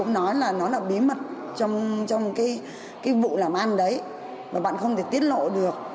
đó là bí mật trong cái vụ làm ăn đấy mà bạn không thể tiết lộ được